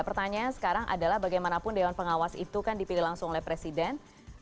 pertanyaan sekarang adalah bagaimanapun dewan pengawas itu kan dipilih langsung oleh presiden